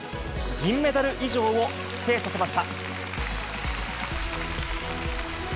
銀メダル以上を確定させました。